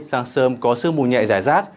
giang sơm có sương mù nhẹ giải rác